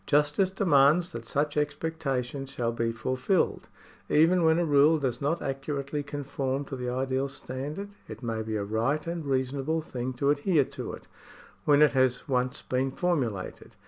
Justice demands that such expectations shall be fulfilled. Even when a rule does not accurately conform to the ideal standard, it may be a right and reasonable thing to adhere to it, when it has once been formulated.